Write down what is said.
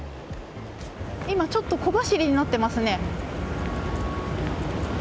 今、ちょっと小走りになっていますね。